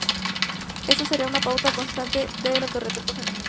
Esta será una pauta constante en el autorretrato femenino.